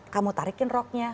kamu tarikin roknya